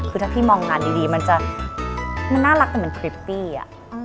คือถ้าพี่มองงานดีมันน่ารักแต่มีความสนิท